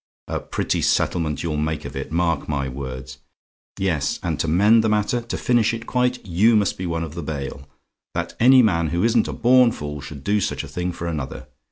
A pretty settlement you'll make of it mark my words! Yes and to mend the matter, to finish it quite, you must be one of the bail! That any man who isn't a born fool should do such a thing for another!